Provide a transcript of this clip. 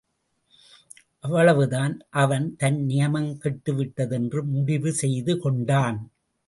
அவ்வளவு தான் அவன் தன் நியமம் கெட்டுவிட்டது என்று முடிவு செய்து கொண்டான்.